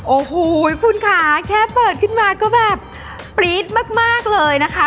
โอ้โหคุณค่ะแค่เปิดขึ้นมาก็แบบปรี๊ดมากเลยนะคะ